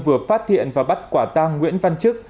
vừa phát hiện và bắt quả tang nguyễn văn trức